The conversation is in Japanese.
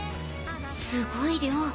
すごい量。